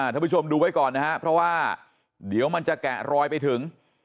ท่านผู้ชมดูไว้ก่อนนะครับเพราะว่าเดี๋ยวมันจะแกะรอยไปถึง